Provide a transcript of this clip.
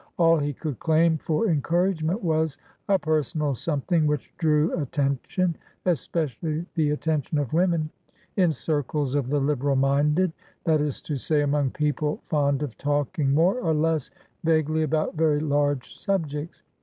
All he could claim for encouragement was a personal something which drew attention, especially the attention of women, in circles of the liberal mindedthat is to say, among people fond of talking more or less vaguely about very large subjects.